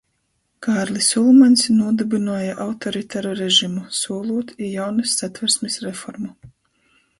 Kārlis Ulmaņs nūdybynuoja autoritaru režimu, sūlūt i jaunys Satversmis reformu.